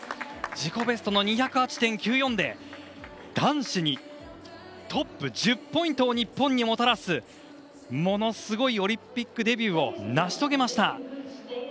自己ベストの２０８．９４で男子にトップ１０ポイントを日本にもたらすものすごいオリンピックデビューを成し遂げました。